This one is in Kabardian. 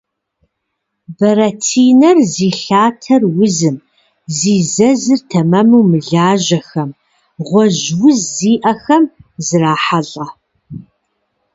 Бэрэтӏинэр зи лъатэр узым, зи зэзыр тэмэму мылажьэхэм, гъуэжь уз зиӏэхэми зрахьэлӏэ.